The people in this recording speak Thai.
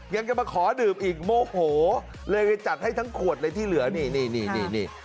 ยังจะมาขอดื่มอีกโมโหเลยไปจัดให้ทั้งขวดเลยที่เหลือนี่นี่